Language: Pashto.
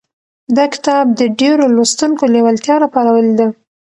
دا کتاب د ډېرو لوستونکو لېوالتیا راپارولې ده.